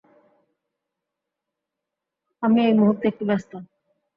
আমি এই মুহূর্তে একটু ব্যস্ত।